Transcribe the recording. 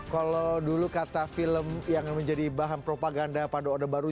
kalau dulu kata film yang menjadi bahan propaganda pada orde baru